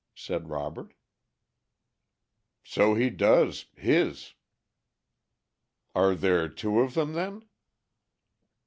said Robert. "So he does his." "Are there two of them then?"